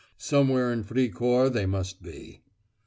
Somewhere in Fricourt they must be.